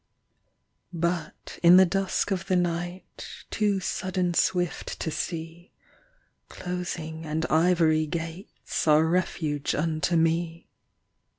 But in the dusk of the night, Too sudden swift to see, Closing and ivory gates Are refuge unto me.